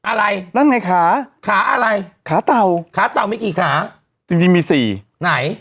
อะไรแล้วไงขาขาอะไรขาเต่าขาเต่ามีกี่ขาจริงจริงมีสี่ไหน